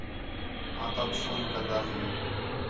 آں تَؤک فون کندا ہیں